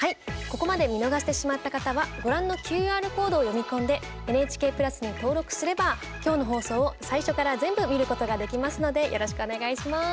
ここまで見逃してしまった方はご覧のＱＲコードを読み込んで「ＮＨＫプラス」に登録すれば今日の放送を最初から全部見ることができますのでよろしくお願いします。